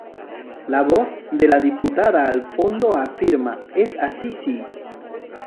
La voz de la diputada, al fondo, afirma: "Es así sí".